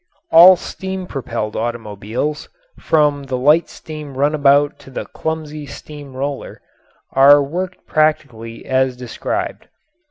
All steam propelled automobiles, from the light steam runabout to the clumsy steam roller, are worked practically as described.